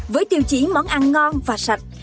với tiêu chí món ăn ngon và sạch